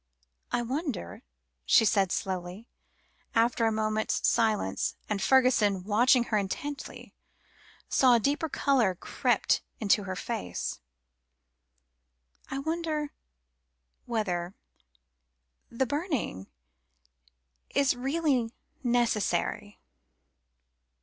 "I wonder," she said slowly, after a moment's silence and Fergusson, watching her intently, saw that a deeper colour crept into her face "I wonder whether the burning is really necessary?"